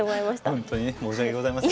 本当にね申し訳ございません。